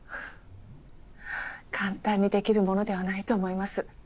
簡単にできるものではないと思います。